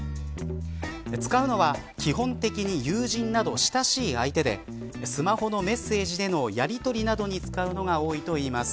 使うのは、基本的に友人など親しい相手でスマホのメッセージでのやりとりなどに使うのが多いといいます。